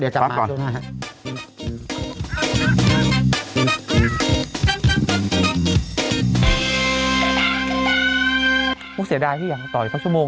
เดี๋ยวจำใหม่หลับพร้อมค่ะป่๊ะก่อน